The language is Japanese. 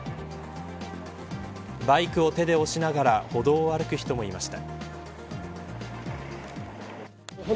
バイクを手で押しながら歩道を歩く人もいました。